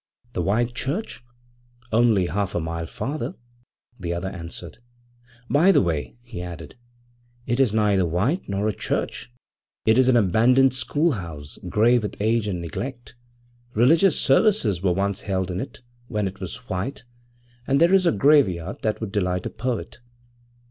'The White Church? Only a half mile farther,' the other answered. 'By the way,' he added, 'it is neither white nor a church; it is an abandoned schoolhouse, grey with age and neglect. Religious services were once held in it when it was white, and there is a graveyard that would delight a poet.